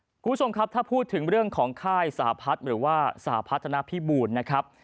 คุณผู้ชมครับถ้าพูดถึงเรื่องของค่ายสหพัฒน์หรือว่าสหพัฒนภิบูรณ์นะครับ